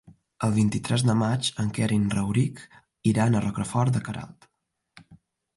El vint-i-tres de maig en Quer i en Rauric iran a Rocafort de Queralt.